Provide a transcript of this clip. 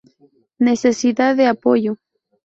Necesidad de apoyo.